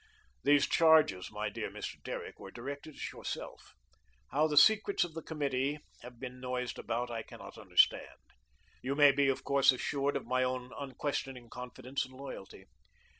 These charges, my dear Mr. Derrick, were directed at yourself. How the secrets of the committee have been noised about, I cannot understand. You may be, of course, assured of my own unquestioning confidence and loyalty.